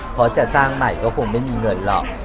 พอจะสร้างใหม่ก็คงไม่มีเงินหมด